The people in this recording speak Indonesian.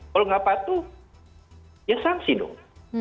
kalau nggak patuh ya sanksi dong